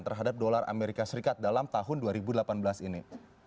terhadap dolar amerika serikat dalam tahun dua ribu delapan belas ini